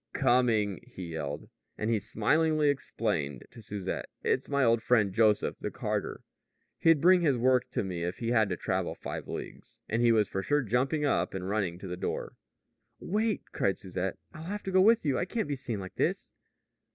"Coming!" he yelled. And he smilingly explained to Susette: "It's my old friend, Joseph, the carter. He'd bring his work to me if he had to travel five leagues." And he was for jumping up and running to the door. "Wait," cried Susette. "I'll have to go with you, and I can't be seen like this."